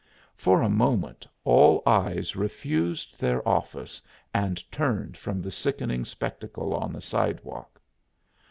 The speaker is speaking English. For a moment all eyes refused their office and turned from the sickening spectacle on the sidewalk.